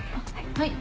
はい。